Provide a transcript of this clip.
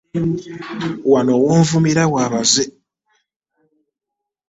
Wano w'onvumira wa baze.